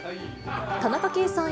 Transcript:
田中圭さん